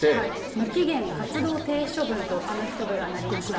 無期限活動停止処分と、アメフト部がなりました。